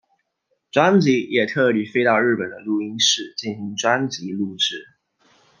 专辑也特地飞到日本的录音室进行专辑录制。